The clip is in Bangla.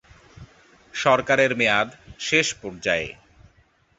সরকারের মেয়াদ শেষ পর্যায়ে।